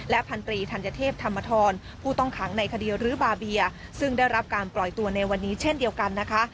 พันธรีธัญเทพธรรมธรผู้ต้องขังในคดีรื้อบาเบียซึ่งได้รับการปล่อยตัวในวันนี้เช่นเดียวกันนะคะ